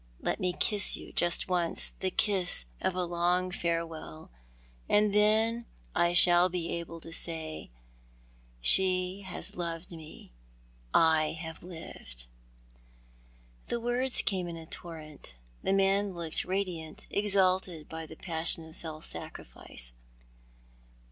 Let me kiss you, just once — the kiss of a long farewell ; and then I shall be able to say —' She has loved me — I have lived.' " The words carao in a torrent. The man looked radiant, exalted by the passion of self sacrifice.